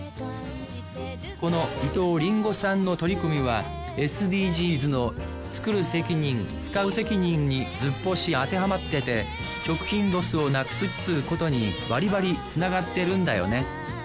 この伊藤りんごさんの取り組みはＳＤＧｓのずっぽし当てはまってて食品ロスをなくすっつうことにバリバリつながってるんだよね